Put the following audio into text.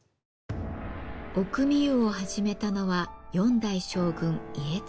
御汲湯を始めたのは４代将軍家綱。